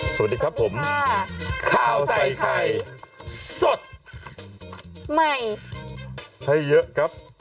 สวัสดีครับผมข่าวใส่ไข่สดใหม่ให้เยอะครับ